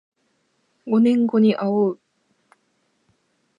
五年後にあおう